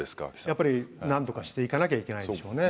やっぱりなんとかしていかなきゃいけないでしょうね